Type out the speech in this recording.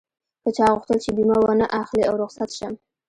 که چا غوښتل چې بيمه و نه اخلي او رخصت شم.